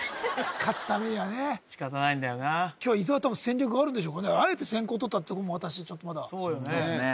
勝つためにはね仕方ないんだよな今日伊沢戦略あるんでしょうかあえて先攻とったってとこも私ちょっとまだそうですね